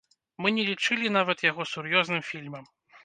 Мы не лічылі нават яго сур'ёзным фільмам.